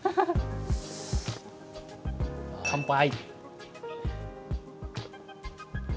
乾杯！